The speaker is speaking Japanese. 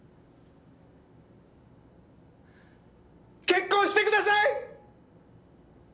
結婚してください！